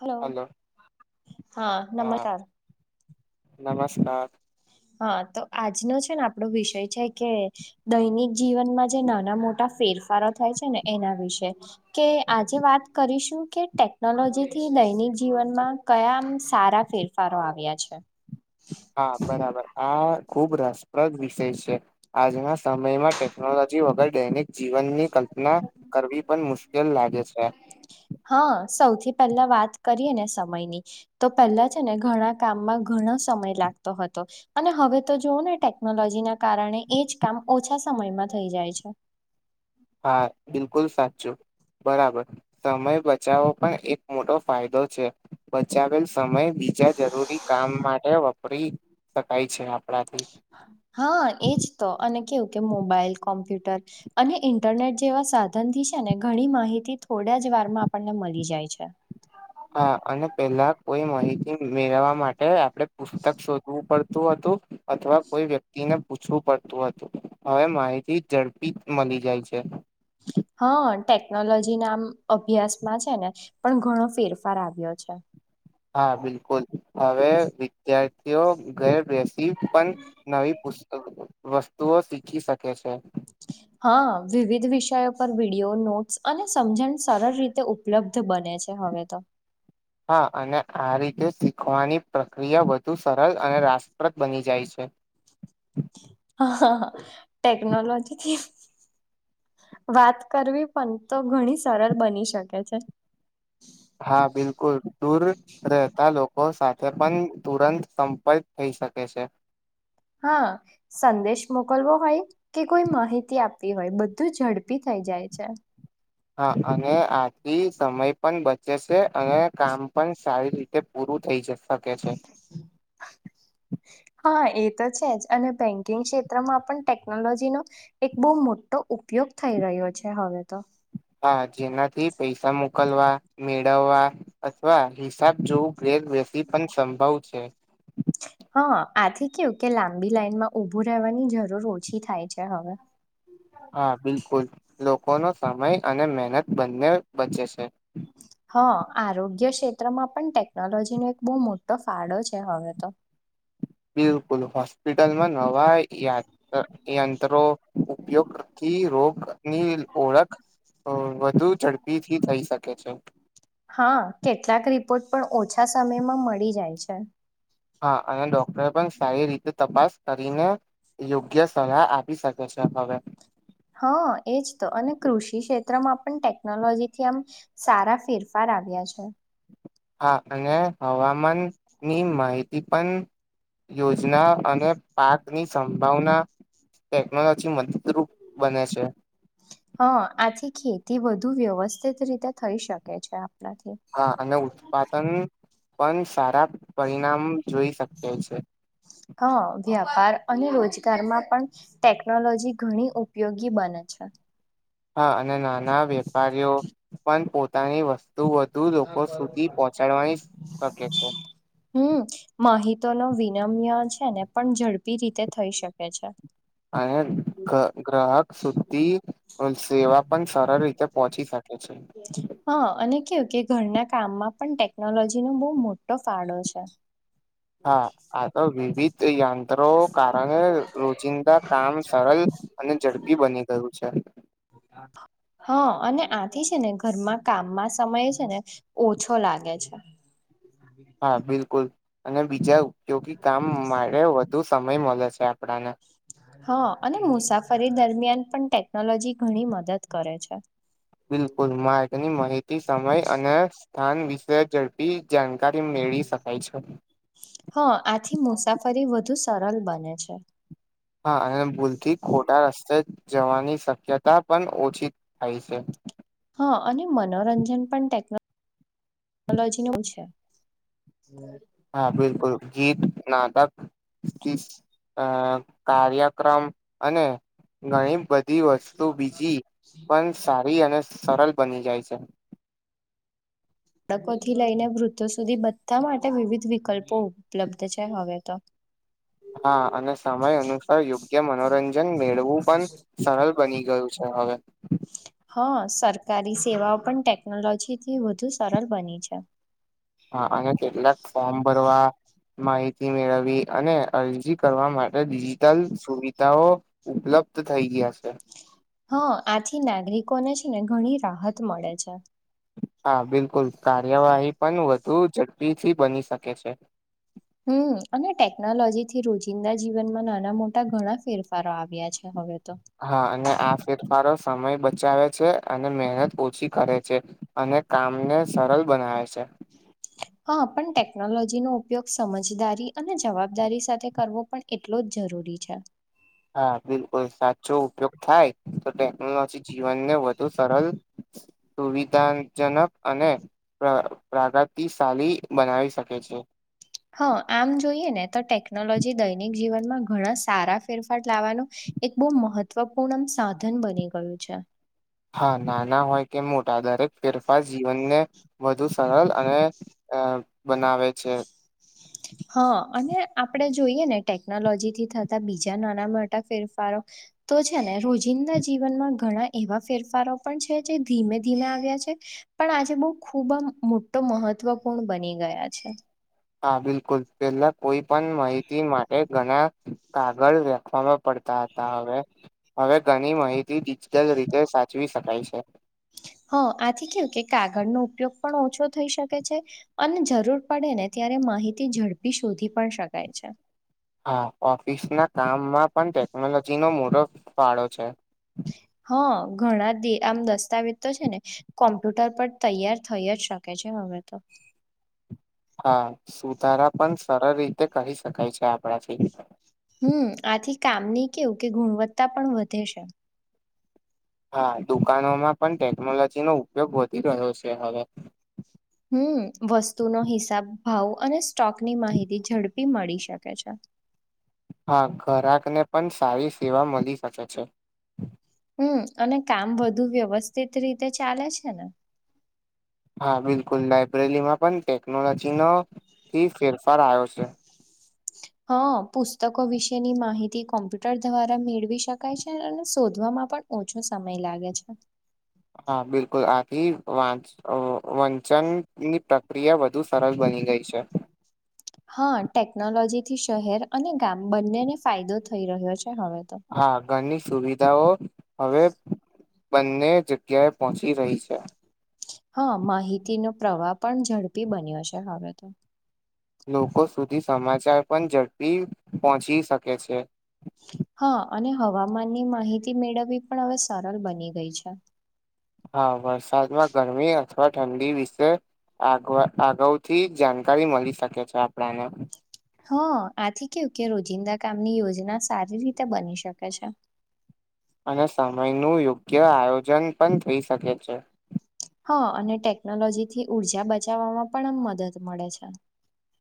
Hello હા નમસ્કાર નમસ્કાર હા તો આજનો છે ને આપણો વિષય છે કે દૈનિક જીવનમાં જે નાના મોટા ફેરફાર થાય છે ને એના વિશે કે આજે વાત કરીશું કે ટેકનોલોજીથી દૈનિક જીવનમાં કયા સારા ફેરફારો આવ્યા છે. હા બરાબર. આ ખુબ રસપ્રદ વિષય છે આજના સમયમાં ટેકનોલોજી જી વગર દૈનિક જીવનની કલ્પના કરવી પણ મુશ્કેલ લાગે છે. હા સૌથી પહેલા વાત કરીએને સમયની, તો પહેલા છેને ઘણા કામમાં ઘણો સમય લા લાગતો હતો. અને હવે તો જોવોને ટેકનોલોજીના કારણે એજ કામ ઓછા સમયમાં થઈ જાય છે. [inaudible] હા, બિલકુલ સાચું. બરાબર. સમય બચાવવો પણ એક મોટો ફાયદો છે. બચાવેલ તમે બીજા જરૂરી કામ માટે વપરી શકાય છે આપણાથી. હા હા એજ તો, અને કેવું કે મોબાઈલ, કોમ્પ્યુટર અને ઇન્ટરનેટ જેવા સાધનથી છેને ઘણી માહિતી થોડા જ વારમાં આપણને મળી જાય છે. હા, અને પેહલા કોઈ માહિતી મેળવવા માટે આપડે પુસ્તક શોધવું પડ તું હતું. અથવા કોઈ વ્યક્તિને પૂછવું પડતું હતું. હવે માહિતી ઝડપી મલી જાય છે. હા, ટેકનોલોજી નામ અભ્યાસમાં છેને. પણ ઘણો ફેરફાર આવ્યો છે. હા બિલકુલ. હવે વિદ્યાર્થીઓ ઘરે બેસ તી પણ નવી પુસ્ત વસ્તુઓ શીખી શકે છે. [inaudible] હા, વિવિધ વિષયો પર વિડિઓ, નોટ્સ અને સમજણ સરળ રીતે ઉપલબ્ધ બને છે. હવે તો. હા અને આ રીતે શીખવાની પ્રક્રિયા વધુ સરળ અને રાસપ્રદ બની જાય છે. હા હા હ ટેકનોલોજીથી વાત કરવી પણ તો ઘણી સરળ બની શકે છે. હા બિલકુલ. દૂર રહેતા લોકો સાથે પણ તુરંત સંપર્ક થઈ શકે છે. [inaudible] હા, સંદેશ મોકલવો હોય કે કોઈ માહિતી આપવી હોય બધું ઝડપી થા થઈ જાય છે. હા અને આથી સમય પણ બચે છે અને કામ પણ સારી રીતે પૂરું થઇ જ શકે છે. [inaudible] હા એ તો છે જ, અને બેંકિંગ ક્ષેત્રમાં પણ ટેકનોલોજીનો એક બહુ મોટો ઉપ ઉપયોગ થઈ રહ્યો છે હવે તો. હા જેનાથી પૈસા મોકલવા, મેળવવા અથવા હિસાબ જોવું ઘેર બેસી પણ સંભવ છે. [inaudible] હા આથી કેવું કે લાંબી લાઈનમાં ઊભું રહેવાની જરૂર ઓછી થાય છે હવે. હા બિલકુલ. લોકોનો સમય અને મહેનત બંને બચે છે. [inaudible] હા, આરોગ્ય ક્ષેત્રમાં પણ ટેકનોલોજીનો એક બહુ મોટો ફાળો છે હવે તો. [inaudible] બિલકુલ. હોસ્પિટલ મ નવા યા અ યંત્રો ઉપયોગથી રોગની ઓળખ અ વધુ ઝડપીથી થઈ શકે છે. હા, કેટલાક રિપોર્ટ તો ઓછા સમયમાં મળી જાય છે. હા અને ડોક્ટરે પણ સારી રીતે તપાસ કરીને યોગ્ય સલાહ આપી શકે છે, હવે. હા એજ તો અને કૃષિ ક્ષેત્રમાં પણ ટેકનોલોજી થી આમ સારા ફેરફાર. આવ્યા છે. હા અને હવામાન ની માહિતી પણ. યોજના અને પાકની સંભા હા આ છે, [unintelligible] થી વધુ વ્યવસ્થિત રીતે થઈ શકે છે. આપણાથી હા અને ઉત્પાદન પણ સારા. પરિણામ જોઈ [unintelligible] છે. હા વ્યાપાર અને રોજગારમાં પણ ટેકનોલોજી ઘણી ઉપયોગી બને છે. હા અને નાના વેપારીઓ પણ પોતાની વસ્તુ [unintelligible] લોકો સુધી પહોંચાડવા શકે છે. હમ [unintelligible] વિનમ્ય છે, ને પણ ઝડપી રીતે થઈ શકે છે. અને ગ્રાહક સુધી સેવા પણ સરળ રીતે પોહોંચી શકે છે. હા અને કે ઘરના કામમાં પણ ટેકનોલોજી નો બહુ મોટો ફાળો છે. હા આ તો વિવિધ યંત્રો કારણે રોજિંદા કામ. સરળ અને જઝડબી બની ગયું છે. [unintelligible] હા અને આથી છે, ને ઘરમાં કામમાં સમય છે, ને ઓછો લાગે છે. હા બિલકુલ અને બીજા જો કે કામ [unintelligible] સમય મળે છે, આપણાને. હા અને મુસાફરી દરમિયાન પણ ટેકનોલોજી ઘણી મદદ કરે છે. બિલકુલ [unintelligible] માહિતી સમય અને સ્થાન વિશે ઝડપી જાણકાર. હા આથી મુસાફરી વધુ સરળ બને છે. હા અને ભૂલથી ખોટા રસ્તે જ જવાની શક્યતા પણ ઓછી થાય છે. હ અને મનોરંજન [unintelligible] છે. હા બિલકુલ ગીત. [unintelligible] કાર્યક્રમ અને. ઘણી બધી વસ્તુ બીજી પણ સારી અને સરળ બની જાય છે. બાળકોથી લઈને વૃદ્ધો સુધી બધા માટે વિવિધ વિકલ્પો ઉપલબ્ધ છે, હવે તો. હા અને સમય અનુસાર યોગ્ય મનોરંજન મેળવું પણ સરળ બની ગયું છે. હવે. હા સરકારી સેવાઓ પણ ટેકનોલોજી થી વધુ સરળ બની છે. હા અને કેટલાક ફોર્મ ભરવા. માહિતી મેળવી અને અરજી કરવા માટે ડિજિટલ સુવિધાઓ ઉપલબ્ધ. [unintelligible] થઈ ગયા છે. હા આથી નાગરિકોને છે, ને ઘણી રાહત મળે છે. હા બિલકુલ કાર્યવાહી પણ વધુ ઝડપીથી બની શકે છે. હમ અને ટેકનોલોજી થી રોજિંદા જીવનમાં નાના મોટા ઘણા ફેરફારો આવ્યા છે, હવે. તો. હા અને આ ફેરફાર સમય બચાવે છે, અને મહેનત ઓછી કરે છે, અને કામને સરળ બનાવે છે. હા પણ ટેકનોલોજી નો. ઉપયોગ સમજદારી અને જવાબદારી સાથે કરવો પણ એટલો જ જરૂરી છે. હા બિલકુલ સાચો ઉપયોગ થાય તો ટેકનોલોજી જીવનને વધુ સરળ. સુવિધાજનક અને પ્રગતિશાલી બનાવી શકે છે. [unintelligible] હા આમ જોઈએ ને તો ટેકનોલોજી દૈનિક જીવનમાં ઘણા સારા ફેરફાર લાવવાનું. એક બહુ મહત્વપૂર્ણ સાધન બની ગયું છે હા નાના હોય કે મોટા દરેક ફેરફાર જીવનને વધુ સરળ અને અ બનાવે છે [inaudible] હા અને આપડે જોઈએ ને ટેકનોલોજી થી થતા બીજા નાના મોટા ફેરફારો તો છે ને રોજિંદા જીવનમાં ઘણા એવા ફેરફારો પણ છે જે ધીમે ધીમે આવ્યા છે પણ આજે બહુ ખૂબ મોટો મહત્વપૂર્ણ બની ગયા છે હા બિલકુલ પેલા કોઈ પણ માહિતી માટે ઘણા કાગળ લખવામાં પડતા હતા હવે હવે ઘણી માહિતી ડિજિટલ રીતે સાચવી શકાય છે હ આથી કેવું કે કાગળનો ઉપયોગ પણ ઓછો થઈ શકે છે અને જરૂર પડે ને ત્યા ત્યારે માહિતી ઝડપી શોધી પણ શકાય છે હા ઓફિસ ના કામમાં પણ ટેકનોલોજી નો મોટો ફાળો છે હા ઘણા આમ દસ્તાવેજ તો છે ને કોમ્પ્યુટર પર તૈયાર થઈ જ શકે છે હવે તો હા સુધારા પણ સરળ રીતે કહી શકાય છે આપ હમ આથી કામની કેવું કે ગુણવત્તા પણ વધે છે હા દુકાનોમાં પણ ટેકનોલોજી નો ઉપયોગ વધી રહ્યો છે હવે હમ વસ્તુનો હિસાબ ભાવ અને સ્ટોકની માહિતી ઝડપી મળી શકે છે [inaudible] હા ઘરાકને પણ સારી સેવા મળી શકે છે હમ અને કામ બધુ વ્યવસ્થિત રીતે ચાલે છે ને હા બિલકુલ લાયબ્રેરીમાં પણ ટેકનોલોજી નથી ફેરફાર આવ્યો છે [inaudible] હા પુસ્તકો વિશેની માહિતી કોમ્પ્યુટર દ્વારા મેળવી શકાય છે અને શોધવામાં પણ ઓછો સમય લાગે છે હા બિલકુલ આથીં વંચનની પ્રક્રિયા વધુ સરસ બની બની ગઈ છે હા ટેકનોલોજી થી શહેર અને ગામ બંનેને ફાયદો થઈ રહ્યો છે હવે તો હા ઘરની સુવિધાઓ હવે બંને જગ્યાએ પહોંચી રહી છે હા માહિતીનો પ્રવાહ પણ ઝડપી બન્યો છે હવે તો લોકો સુધી સમાચાર પણ ઝડપી પહોંચી શકે છે [inaudible] હા અને હવામાનની માહિતી મેળવવી પણ હવે સરળ બની ગઈ છે હા વરસાદમાં ગરમી અથવા ઠંડી વિશે આગ અગાઉ થી જાણકારી મળી શકે છે આપણાને હ આથી કેવું કે રોજિંદા કામની યોજના સારી રીતે બની શકે છે અને સમય નું યોગ્ય આયોજન પણ થઈ શકે છે હા અને ટેકનોલોજી થી ઉર્જા બચાવવામાં પણ આમ મદદ મળે છે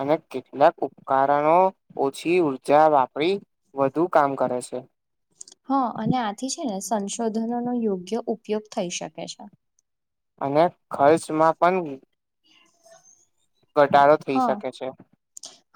અને કેટલાક ઉપકરણો ઓછી ઉર્જા વાપરી વધુ કામ કરે છે છે હા અને આથી છે ને સંશોધનોનો યોગ્ય ઉપયોગ થઈ શકે છે અને ખર્ચમાં પણ ઘટાડો થઈ હા શકે છે.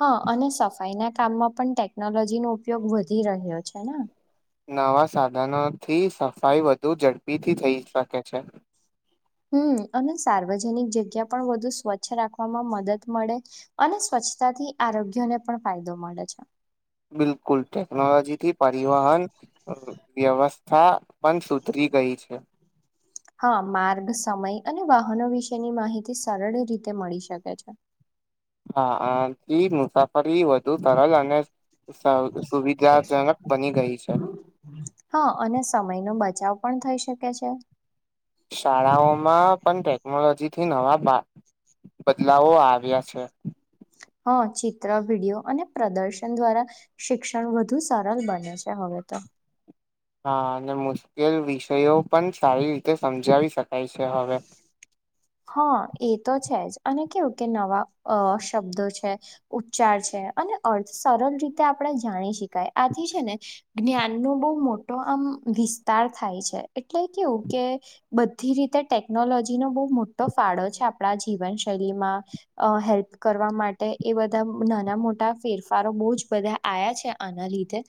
હા અને સફાઈ ના કામમાં પણ ટેકનોલોજી નો ઉપયોગ વધી રહ્યો છે ને નવા સાધનોથી સફાઈ વધુ ઝડપીથી થઈ શકે છે હમ અને સાર્વજનિક જગ્યા પણ વધુ સ્વચ્છ રાખવામાં મદદ મળે અને સ્વચછ સ્ચ્છતાથી આરોગ્યને પણ ફાયદો મળે છે બિલકુલ ટેકનોલોજી થી પરિવહન વ્યવસ્થા પણ સુધરી ગઈ છે [inaudible] હા માર્ગ સમય અને વાહનો વિશેની માહિતી સરળ રીતે મળી શકે છે [inaudible] હા આથી મુસાફરી વધુ સરસ અને સુવિધાજનક બની ગઈ છે. હા અને સમય નો બજ બચાવ પણ થઈ શકે છે શાળાઓમાં પણ ટેકનોલોજી થી નવા બદલાવો આવ્યા છે હા ચિત્ર વિડીિયો અને પ્રદર્શન દ્વારા શિક્ષણ વધુ સરળ બન છે હવે [inaudible] હા અને મુશ્કેલ વિષયો પણ સારી રીતે સમજાવી શકાય છે હવે [inaudible] હા એ તો છે જ અને કેવું કે નવા શબ્દો છે ઉચ્ચાર છે અર્થ સર રીતે આપણે જાણી શકાય આથી છે ને જ્ઞાન નો બહ મોટો આમ વિસ્તાર થાય છે એટલે કેવું કે બધી રીતે ટેકનોલોજી નો બહ મોટો તો ફાળો છે આપણા જીવનશૈલીમાં હેલ્પ કરવા માટે એ બધા નાના મોટા ફેરફારો બહ જ બધા આવ્યા છે આના લીધે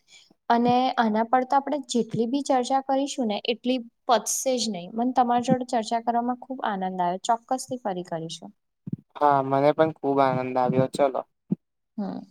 અને આના પર તો આપણે જેટલી બી ચર્ચા કરીશું ને એટલી પચશે જ નહી મને તમારી જોડે ચર્ચા કરવામાં ખુબ આનંદ આવ્યો છે ચોક્કસ થી ફરી કરીશું હા મને પણ ખુબ આનંદ આવ્યો ચલો હા